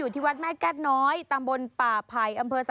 ทีนัทกันไว้เลย